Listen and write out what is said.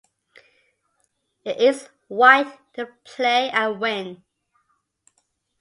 It is white to play and win.